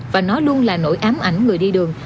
và nó luôn là nỗi ám ảnh người đi đường